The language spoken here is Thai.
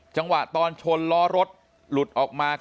จังหวะตอนชนล้อรถหลุดออกมา